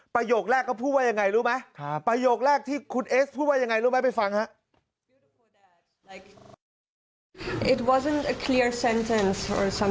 ประโยคแรกเขาพูดว่าอย่างไรรู้ไหม